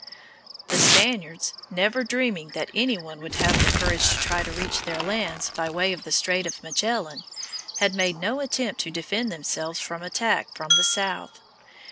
The Spaniards, never dreaming that any one would have the courage to try to reach their lands by way of the Strait of Magellan, had made no attempt to defend themselves from attack from the south.